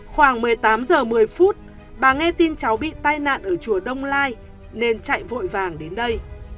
khoảng một mươi tám h một mươi phút bà nghe tin cháu bị tai nạn ở chùa đông lai nên chạy vội vàng đến đây